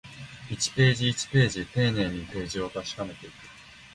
一ページ、一ページ、丁寧にページを確かめていく